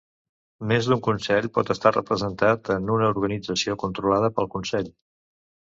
Més d'un consell pot estar representat en una organització controlada pel consell.